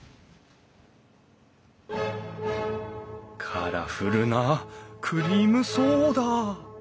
カラフルなクリームソーダ！